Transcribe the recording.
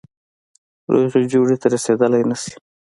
روغي جوړي ته رسېدلای نه سي.